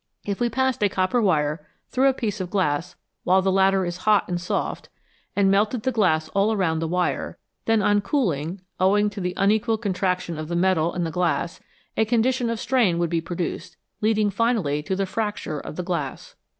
If we passed a copper wire through a piece of glass while the latter is hot and soft, and melted the glass all round the wire, then on cooling, owing to the unequal contraction of the metal and the glass, a condition of strain would be produced, leading finally to the fracture of the glass.